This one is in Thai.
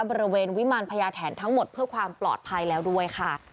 บริเวณวิมารพญาแถนทั้งหมดเพื่อความปลอดภัยแล้วด้วยค่ะ